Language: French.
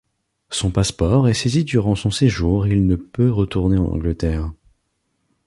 Son passeport est saisi durant son séjour et il ne peut retourner en Angleterre.